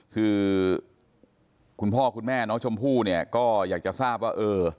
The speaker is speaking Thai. คือคุณพ่อคุณแม่น้องชมพู่เนี่ยก็อยากจะทราบว่าเออ